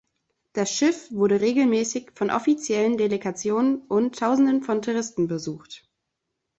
Das Schiff wurde regelmäßig von offiziellen Delegationen und Tausenden von Touristen besucht.